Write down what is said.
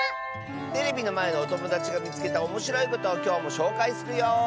テレビのまえのおともだちがみつけたおもしろいことをきょうもしょうかいするよ！